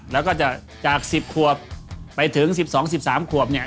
แล้วก็จะจาก๑๐ขวบไปถึง๑๒๑๓ขวบเนี่ย